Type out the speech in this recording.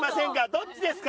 どっちですか？